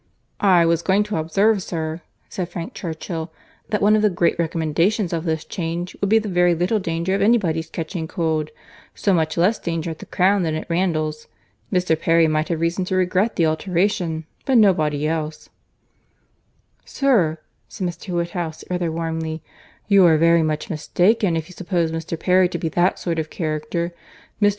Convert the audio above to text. "I was going to observe, sir," said Frank Churchill, "that one of the great recommendations of this change would be the very little danger of any body's catching cold—so much less danger at the Crown than at Randalls! Mr. Perry might have reason to regret the alteration, but nobody else could." "Sir," said Mr. Woodhouse, rather warmly, "you are very much mistaken if you suppose Mr. Perry to be that sort of character. Mr.